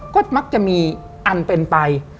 ก็มักจะมีอันเป็นไป